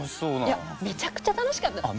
いやめちゃくちゃ楽しかった。